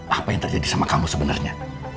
apa yang terjadi sama kamu sebenarnya